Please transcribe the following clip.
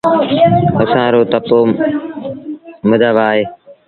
اسآݩ رو تپو مندآ وآه اهي